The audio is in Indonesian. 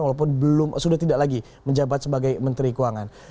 walaupun sudah tidak lagi menjabat sebagai menteri keuangan